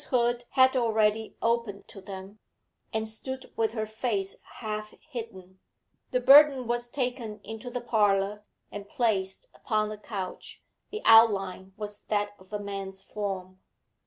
Hood had already opened to them, and stood with her face half hidden. The burden was taken into the parlour, and placed upon the couch. The outline was that of a man's form.